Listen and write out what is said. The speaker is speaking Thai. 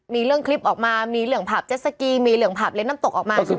มีเรื่องคลิปออกมามีเหลืองผับเจ็ดสกีมีเหลืองผับเล่นน้ำตกออกมาใช่ไหม